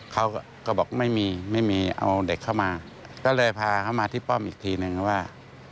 เขาก็บอกไม่มีไม่มีเอาเด็กเข้ามาก็เลยพาเขามาที่ป้อมอีกทีนึงว่า